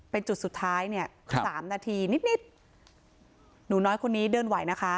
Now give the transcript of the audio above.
เป็นจุดสุดท้ายเนี่ยสามนาทีนิดนิดหนูน้อยคนนี้เดินไหวนะคะ